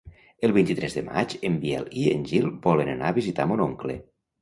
El vint-i-tres de maig en Biel i en Gil volen anar a visitar mon oncle.